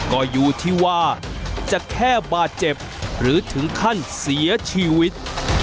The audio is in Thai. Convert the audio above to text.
ก็อยู่ที่ว่าจะแค่บาดเจ็บหรือถึงขั้นเสียชีวิต